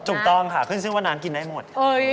ถูกต้องค่ะขึ้นชื่อว่าน้ำกินได้หมด